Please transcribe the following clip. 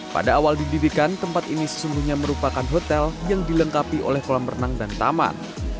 pada awal didirikan tempat ini sesungguhnya merupakan hotel yang dilengkapi oleh kolam renang dan taman